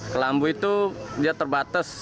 kelambu itu terbatas